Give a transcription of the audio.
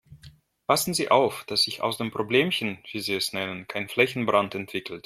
Passen Sie auf, dass sich aus dem Problemchen, wie Sie es nennen, kein Flächenbrand entwickelt.